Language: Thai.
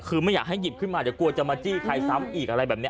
คือไม่อยากให้หยิบขึ้นมาเดี๋ยวกลัวจะมาจี้ใครซ้ำอีกอะไรแบบนี้